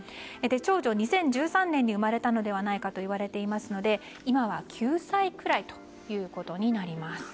長女は２０１３年に生まれたのではないかといわれていますので今は９歳くらいということになります。